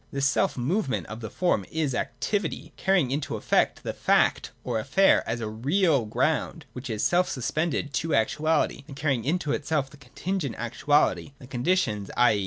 This self movement of the form is Activity, carrying into effect the fact or affair as a real ground which is self suspended to actuality, and carrying into effect the contingent actuahty, the condi tions ; i.